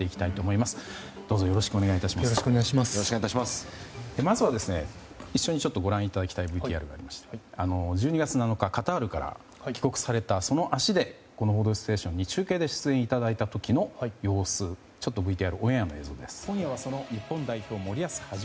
まずは一緒にご覧いただきたいＶＴＲがありまして１２月７日カタールから帰国されたその足でこの「報道ステーション」に中継で出演いただいた時の様子ちょっとＶＴＲオンエアの映像です。